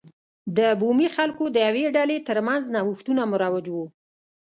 د بومي خلکو د یوې ډلې ترمنځ نوښتونه مروج و.